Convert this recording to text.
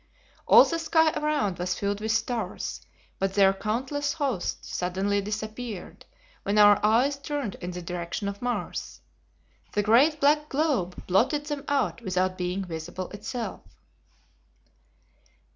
All the sky around was filled with stars, but their countless host suddenly disappeared when our eyes turned in the direction of Mars. The great black globe blotted them out without being visible itself.